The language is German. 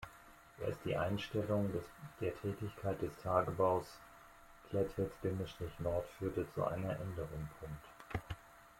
Erst die Einstellung der Tätigkeit des Tagebaus Klettwitz-Nord führte zu einer Änderung.